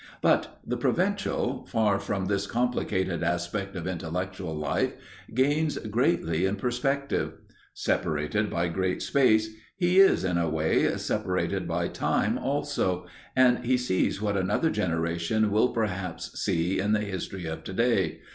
But the provincial, far from this complicated aspect of intellectual life, gains greatly in perspective. Separated by great space, he is, in a way, separated by time also, and he sees what another generation will perhaps see in the history of today.